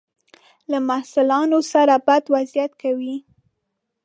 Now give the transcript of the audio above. له محصلانو سره بد وضعیت کوي.